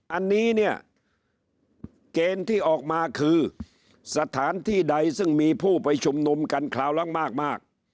อันนี้เนี่ยเกณฑ์ที่ออกมาคือสถานที่ใดซึ่งมีผู้ไปชุมนุมกันคราวละมาก